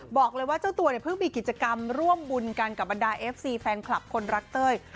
บอกเลยว่าเจ้าตัวเนี่ยเพิ่งมีกิจกรรมร่วมบุญกันกับบรรดาเอฟซีแฟนคลับคนรักเต้ย